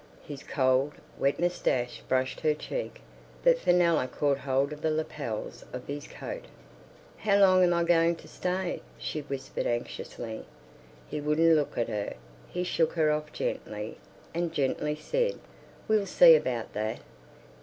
His cold, wet moustache brushed her cheek. But Fenella caught hold of the lapels of his coat. "How long am I going to stay?" she whispered anxiously. He wouldn't look at her. He shook her off gently, and gently said, "We'll see about that.